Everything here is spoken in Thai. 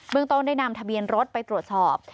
เมืองต้นได้นำทะเบียนรถไปตรวจสอบ